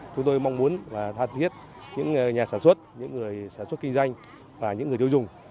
chúng tôi mong muốn tha thiết những nhà sản xuất những người sản xuất kinh doanh và những người tiêu dùng